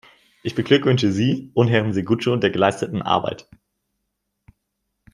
Ich beglückwünsche Sie und Herrn Seguzu der geleisteten Arbeit.